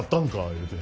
言うて。